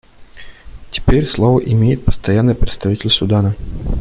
Теперь слово имеет Постоянный представитель Судана.